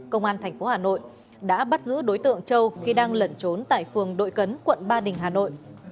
công an tp hà nội đã bắt giữ đối tượng châu khi đang lẩn trốn tại phường đội cấn quận ba đình hà nội